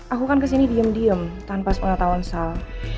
aku kan kesini diem diem tanpa sepengetahuan sal